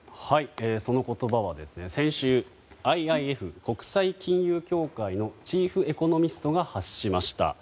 その言葉は先週ＩＩＦ・国際金融協会のチーフエコノミストが発しました。